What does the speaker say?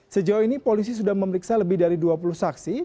sejauh ini polisi sudah memeriksa lebih dari dua puluh saksi